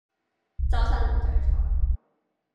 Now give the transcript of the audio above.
周身唔聚財